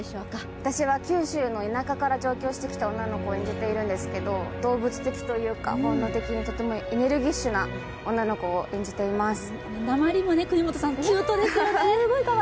私は九州の田舎から上京してきた女の子を演じているんですけど動物的というか、本能的にとてもエネルギッシュななまりもキュートですよね・